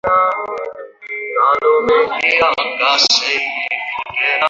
তবু বাংলার মেয়ে জ্যোৎস্না ভেবেই তাঁর প্রদর্শনী দেখতে কাজ শেষে রওনা হলাম।